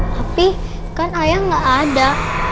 tapi kan ayah gak ada